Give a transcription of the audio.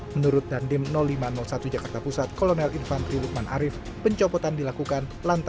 menurut dandim lima ratus satu jakarta pusat kolonel infantri lukman arief pencopotan dilakukan